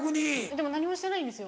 でも何もしてないんですよ